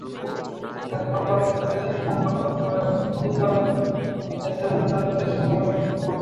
এরপর প্রার্থীকে রেজিস্ট্রেশন নম্বরসহ একটি নিশ্চিতকরণ এসএমএস তাঁর নিজস্ব মোবাইলে পাঠানো হবে।